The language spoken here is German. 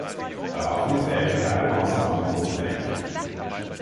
Dafür wären Baumaßnahmen notwendig.